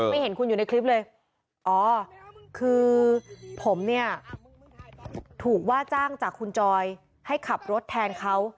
เห็นคุณอยู่ในคลิปเลยอ๋อคือผมเนี่ยถูกว่าจ้างจากคุณจอยให้ขับรถแทนเขา